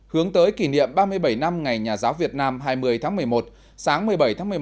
hướng tới kỷ niệm ba mươi bảy năm ngày nhà giáo việt nam hai mươi tháng một mươi một sáng một mươi bảy tháng một mươi một